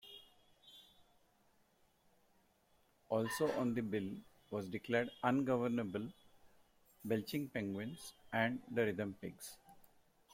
Also on the bill was Declared Ungovernable, Belching Penguins, and The Rhythm Pigs.